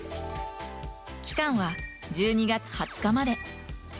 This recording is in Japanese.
期間は１２月２０日まで。